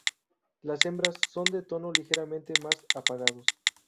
Las hembras son de tonos ligeramente más apagados.